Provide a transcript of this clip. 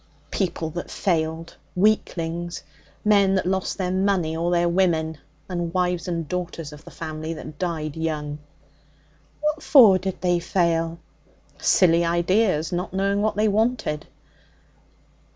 'People that failed. Weaklings. Men that lost their money or their women, and wives and daughters of the family that died young.' 'What for did they fail?' 'Silly ideas. Not knowing what they wanted.'